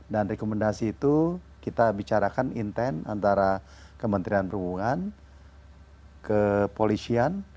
dan rekomendasi itu kita bicarakan intent antara kementerian perhubungan kepolisian